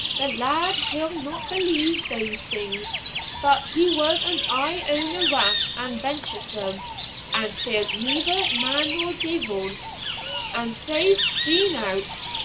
The Laird he'll no believe thae things, but he was aye ower rash and venturesome, and feared neither man nor deevil, an sae's seen o't.